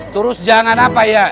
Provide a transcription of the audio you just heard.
terus jangan apa ya